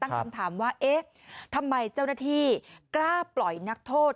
คำถามว่าเอ๊ะทำไมเจ้าหน้าที่กล้าปล่อยนักโทษ